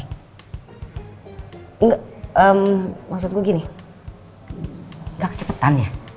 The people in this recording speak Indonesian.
enggak em maksud gue gini gak kecepetan ya